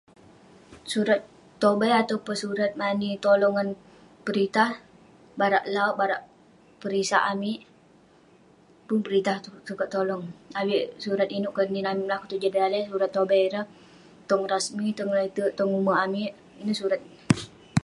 Surat tobai atau peh surat mani tolong ngan peritah, barak lauwk, barak perisak amik..pun peritah sukat tolong..avik surat inouk nin amik melakau tong jah daleh, surat tobai tong rasmi, tong le'terk..tong ume' amik..ineh surat ineh..